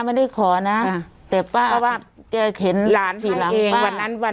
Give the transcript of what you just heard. ไม่ได้ขอนะแต่ป้าเพราะว่าแกเข็นหลานให้เองวันนั้นวัน